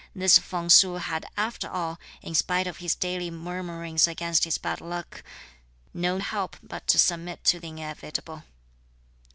This Feng Su had after all, in spite of his daily murmurings against his bad luck, no help but to submit to the inevitable.